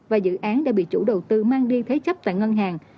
và dự án đã bị chủ đầu tư mang đi thế chấp tại ngân hàng